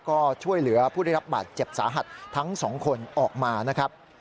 ก็ช่วยเหลือผู้ได้รับบาดเจ็บสาหัสทั้งสองคนออกมานะครับ